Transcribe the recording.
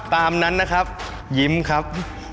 ตามนั้นนะครับยิ้มครับ